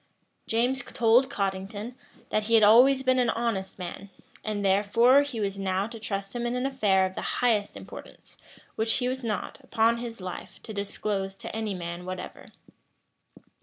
James told Cottington, that he had always been an honest man, and therefore he was now to trust him in an affair of the highest importance, which he was not, upon his life, to disclose to any man whatever.